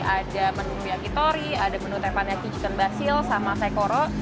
ada menu yakitori ada menu tepanyaki chicken basil dan sekoro